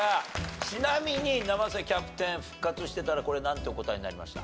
ちなみに生瀬キャプテン復活してたらこれなんてお答えになりました？